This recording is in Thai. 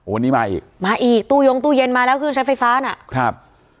วันนี้มาอีกมาอีกตู้ยงตู้เย็นมาแล้วเครื่องใช้ไฟฟ้าน่ะครับ